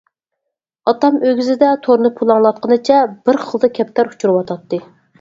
ئاتام ئۆگزىدە تورنى پۇلاڭلاتقىنىچە بىر خىلدا كەپتەر ئۇچۇرۇۋاتاتتى.